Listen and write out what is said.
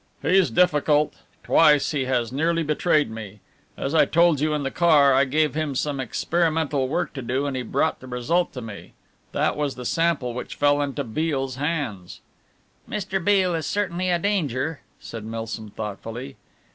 "He's difficult. Twice he has nearly betrayed me. As I told you in the car, I gave him some experimental work to do and he brought the result to me that was the sample which fell into Beale's hands." "Mr. Beale is certainly a danger," said Milsom thoughtfully.